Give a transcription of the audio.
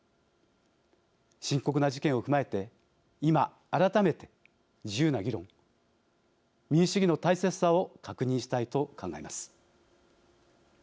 深刻な事件を踏まえて今、改めて自由な議論、民主主義の大切さを確認したいと考えます。